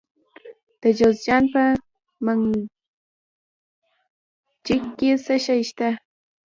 د جوزجان په منګجیک کې څه شی شته؟